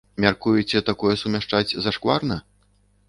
Мяркуеце, такое сумяшчаць зашкварна?